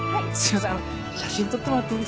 あの写真撮ってもらっていいですか？